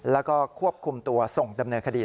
แล้วก็ควบคุมตัวส่งดำเนินคดี